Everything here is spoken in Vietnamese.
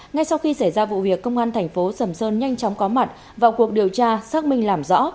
ngay sau khi xảy ra vụ việc công an thành phố sầm sơn nhanh chóng có mặt vào cuộc điều tra xác minh làm rõ